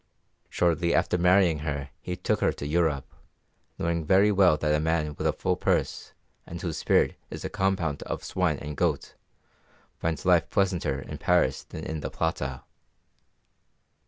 Shortly after marrying her he took her to Europe, knowing very well that a man with a full purse, and whose spirit is a compound of swine and goat, finds life pleasanter in Paris than in the Plata.